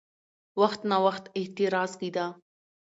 وخت ناوخت اعتراض کېده؛